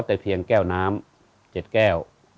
แต่เพียงแก้วน้ำ๗แก้ว